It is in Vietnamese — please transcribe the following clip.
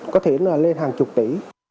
có thể là lên hàng chục tỷ